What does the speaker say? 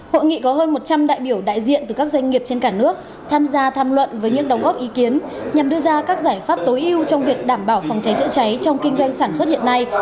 hội nghị có hơn một trăm linh đại biểu đại diện từ các doanh nghiệp trên cả nước tham gia tham luận với những đóng góp ý kiến nhằm đưa ra các giải pháp tối ưu trong việc đảm bảo phòng cháy chữa cháy trong kinh doanh sản xuất hiện nay